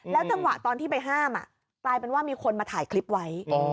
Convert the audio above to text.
จังหวะตอนที่ไปห้ามกลายเป็นว่ามีคนมาถ่ายคลิปไว้